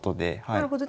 なるほど。